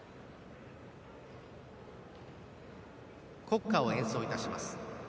国歌を演奏いたします。